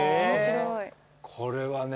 これはね。